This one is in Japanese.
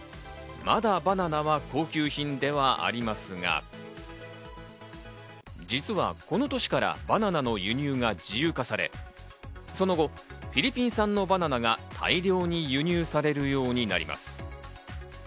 まだバナナは高級品ではありますが、実はこの年からバナナの輸入が自由化され、その後、フィリピン産のバナナが大量に輸入されるようになります。